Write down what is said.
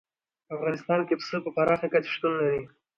په افغانستان کې پسه په پراخه کچه شتون لري.